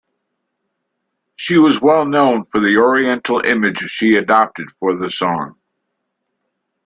She was well known for the Oriental image she adopted for the song.